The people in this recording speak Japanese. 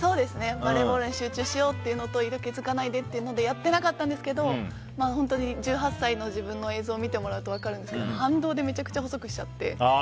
バレーボールに集中しようというのと色気づかないでっていうのでやってなかったんですけど本当に１８歳の自分の映像を見てもらうと分かるんですけど分かるんですけど反動でめちゃくちゃ細くしちゃって。